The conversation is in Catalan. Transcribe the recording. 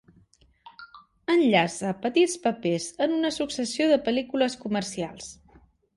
Enllaça petits papers en una successió de pel·lícules comercials.